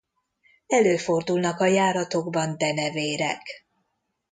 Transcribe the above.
Előfordulnak a járatokban denevérek.